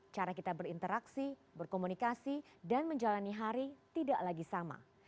cara kita berinteraksi berkomunikasi dan menjalani hari tidak lagi sama